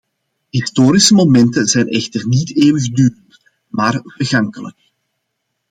Historische momenten zijn echter niet eeuwigdurend, maar vergankelijk.